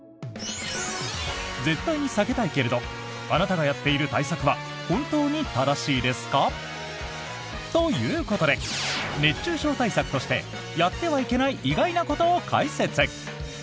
絶対に避けたいけれどあなたがやっている対策は本当に正しいですか？ということで熱中症対策としてやってはいけない意外なことを解説！